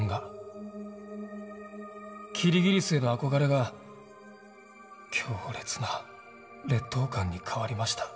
キリギリスへの憧れが強烈な劣等感に変わりました。